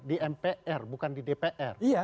di mpr bukan di dpr